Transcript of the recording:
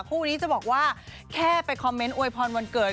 คู่นี้จะบอกว่าแค่ไปคอมเมนต์อวยพรวันเกิด